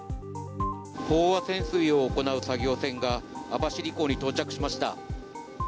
飽和潜水を行う作業船が網走港に到着しました。